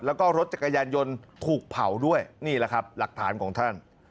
แล้วก็รถจักรยานยนต์ถูกเผาด้วยนี่แหละครับหลักฐานของท่าน